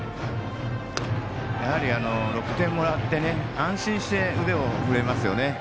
６点もらって安心して、腕を振れますよね。